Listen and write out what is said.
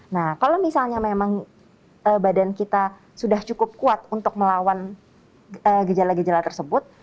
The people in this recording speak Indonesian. nah kalau misalnya memang badan kita sudah cukup kuat untuk melawan gejala gejala tersebut